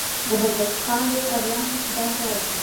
زبردست خان ډېر اریان شو چې دا څه وشول.